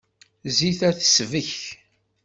Zzit-a tesbek.